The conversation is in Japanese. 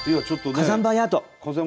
火山灰アート。